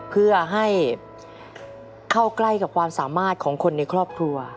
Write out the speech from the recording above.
เพื่อให้เข้าใกล้กับความสามารถของคนในครอบครัว